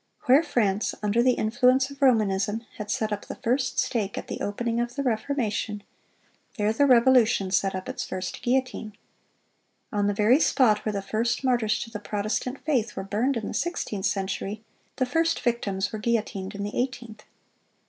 Where France, under the influence of Romanism, had set up the first stake at the opening of the Reformation, there the Revolution set up its first guillotine. On the very spot where the first martyrs to the Protestant faith were burned in the sixteenth century, the first victims were guillotined in the eighteenth.